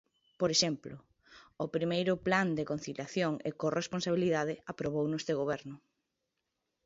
Por exemplo, o primeiro Plan de conciliación e corresponsabilidade aprobouno este goberno.